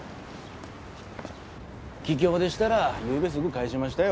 桔梗でしたらゆうべすぐ帰しましたよ。